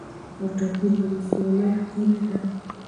د وټه پور ولسوالۍ ښکلې ده